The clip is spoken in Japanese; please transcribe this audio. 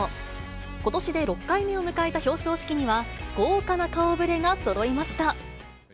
ことしで６回目を迎えた表彰式には、豪華な顔ぶれがそろいました。